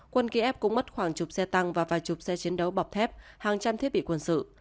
quân kiev cũng mất khoảng chục xe tăng và vài chục xe chiến đấu bọc thép hàng trăm thiết bị quân sự